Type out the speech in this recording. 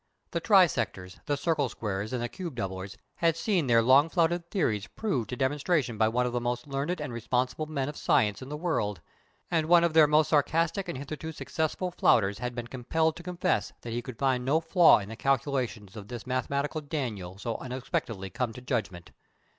The trisectors, the circle squarers, and the cube doublers, had seen their long flouted theories proved to demonstration by one of the most learned and responsible men of science in the world, and one of their most sarcastic and hitherto successful flouters had been compelled to confess that he could find no flaw in the calculations of this mathematical Daniel so unexpectedly come to judgment.